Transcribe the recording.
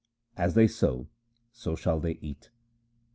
As they sow so shall they eat.